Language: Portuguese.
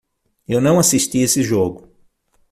Eu não assisti esse jogo.